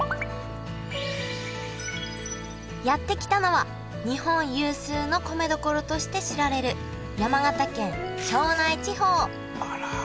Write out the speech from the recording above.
やって来たのは日本有数の米どころとして知られる山形県庄内地方あらきれいだね。